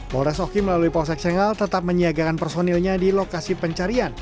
mores oki melalui posek cengal tetap menyiagakan personilnya di lokasi pencarian